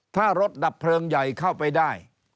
ถ้ารถดับเพลิงใหญ่เข้าไปได้